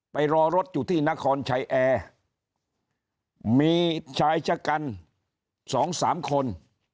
ไปรอรถอยู่ที่นครชัยแอร์มีชายชะกันสองสามคน